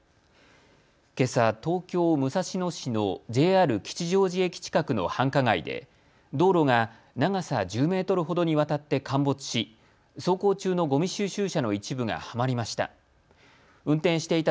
けさ、東京武蔵野市のＪＲ吉祥寺駅近くの繁華街で道路が長さ１０メートルほどにわたって陥没し走行中のごみ収集車の一部がはまりました。